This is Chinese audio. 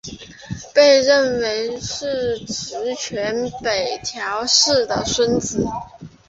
被认为是执权北条氏的子孙。